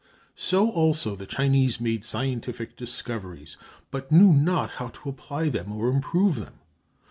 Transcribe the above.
So, also, the Chinese made scientific discoveries but knew not how to apply them or improve them.